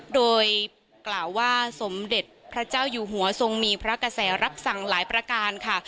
โดยกล่าวว่าสมเด็จพระเจ้าอยู่หัวทรงมีพระกระแสรับสั่งหลายประการค่ะ